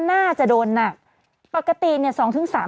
น่าจะโดนหนักปกติเนี่ย